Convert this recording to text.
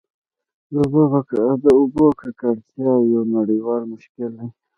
د اوبو ککړتیا یو نړیوال مشکل دی.